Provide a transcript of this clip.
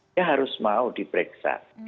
dia harus mau diperiksa